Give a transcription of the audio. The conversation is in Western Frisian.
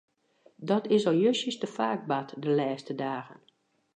Dat is al justjes te faak bard de lêste dagen.